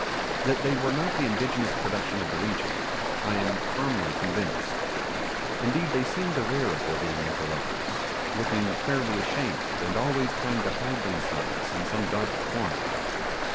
That they were not the indigenous production of the region, I am firmly convinced. Indeed they seemed aware of their being interlopers, looking fairly ashamed, and always trying to hide themselves in some dark corner.